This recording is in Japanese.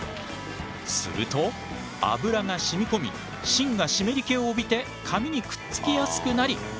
すると油がしみ込み芯が湿り気を帯びて紙にくっつきやすくなり